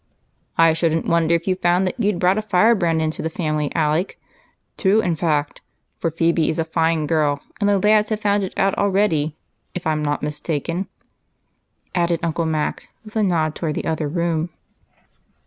"I shouldn't wonder if you found that you'd brought a firebrand into the family, Alec. Two, in fact, for Phebe is a fine girl, and the lads have found it out already if I'm not mistaken," added Uncle Mac, with a nod toward the other room.